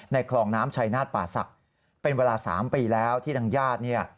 คลองน้ำชายนาฏป่าศักดิ์เป็นเวลา๓ปีแล้วที่ทางญาติเนี่ย